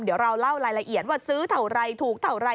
เดี๋ยวเราเล่ารายละเอียดว่าซื้อเท่าไรถูกเท่าไร